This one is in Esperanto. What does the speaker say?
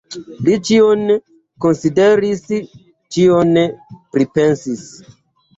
Li ĉion konsideris, ĉion pripensis.